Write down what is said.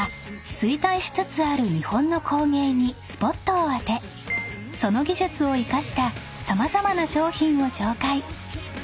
衰退しつつある日本の工芸にスポットを当てその技術を生かした様々な商品を紹介］